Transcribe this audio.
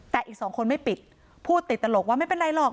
แต่อีกสองคนไม่ปิดพูดติดตลกว่าไม่เป็นไรหรอก